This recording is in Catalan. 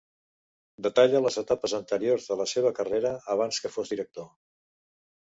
Detalla les etapes anteriors de la seva carrera, abans que fos director.